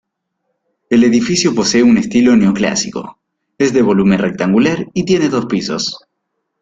El edificio posee un estilo neoclásico, es de volumen rectangular y tiene dos pisos.